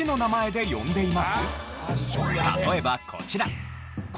例えばこちら。